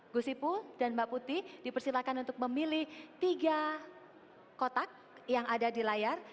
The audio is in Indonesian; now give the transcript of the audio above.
gusipu dan mbak putih dipersilakan untuk memilih tiga kotak yang ada di layar